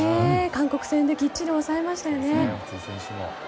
韓国戦できっちり抑えましたよね。